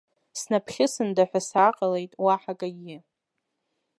Снабхьысында ҳәа сааҟалеит, уаҳа акагьы.